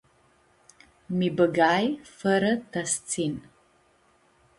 Mi-bãgai fãrã ta s-tsin.